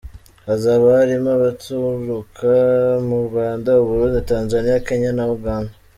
Hazaba harimo abaturuka mu Rwanda, u Burundi, Tanzania, Kenya na Uganda.